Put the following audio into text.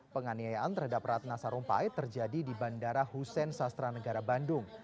penganiayaan terhadap ratna sarumpait terjadi di bandara hussein sastra negara bandung